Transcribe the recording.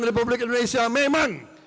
republik indonesia memang